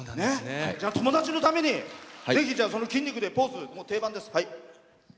友達のためにぜひ、その筋肉でポーズ、もう定番です。